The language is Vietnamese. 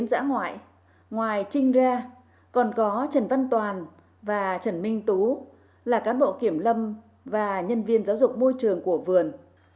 ngoài trinh ra còn có trần văn toàn và trần minh tú là cán bộ kiểm lâm và nhân viên giáo dục môi trường của vườn